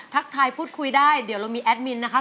ทักทายพูดคุยได้เดี๋ยวเรามีแอดมินนะคะ